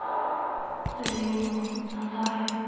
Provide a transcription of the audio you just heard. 全員の支え。